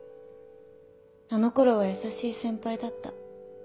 あの頃は優しい先輩だった。